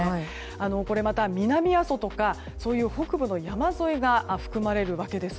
これまた南阿蘇とか北部の山沿いが含まれるわけです。